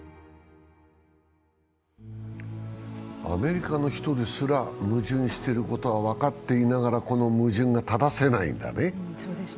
アメリカの人ですら矛盾していることは分かっていながらこの矛盾がただせないんだね。